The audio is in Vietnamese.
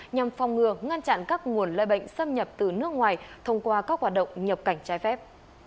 nhằm phòng ngừa ngăn chặn các nguồn lây bệnh xâm nhập từ nước ngoài thông qua các hoạt động nhập cảnh trái phép